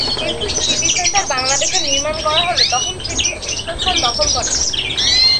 কিন্তু city centre Bangladesh নির্মাণ করা হলে তখন সেটি শীর্ষস্থান দখল করে।